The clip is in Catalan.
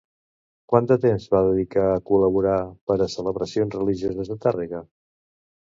Quant de temps va dedicar a col·laborar per a celebracions religioses de Tàrrega?